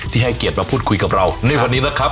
ให้เกียรติมาพูดคุยกับเราในวันนี้นะครับ